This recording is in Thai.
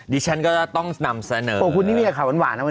ดิฉันก็ต้องนำเสนอข่าวหวานนะวันนี้